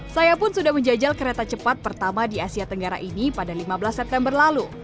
saya pun sudah menjajal kereta cepat pertama di asia tenggara ini pada lima belas september lalu